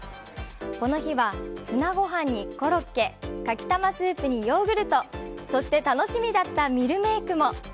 この日はツナご飯にコロッケかき玉スープにヨーグルトそして、楽しみだったミルメークも。